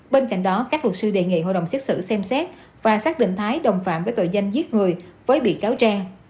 bên cạnh đó các luật sư đề nghị hội đồng xét xử xem xét và xác định thái đồng phạm với tội danh giết người với bị cáo trang